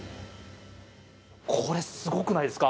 これ、すごくないですか？